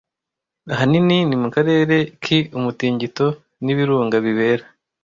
Ahanini ni mu karere ki umutingito n'ibirunga bibera